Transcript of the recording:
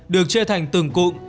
được chia thành từng cụm